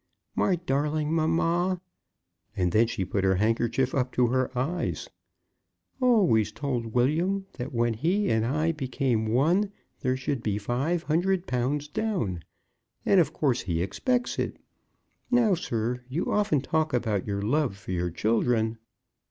My darling mamma," and then she put her handkerchief up to her eyes "always told William that when he and I became one, there should be five hundred pounds down; and of course he expects it. Now, sir, you often talk about your love for your children."